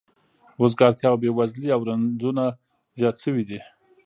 وزګارتیا او بې وزلي او رنځونه زیات شوي دي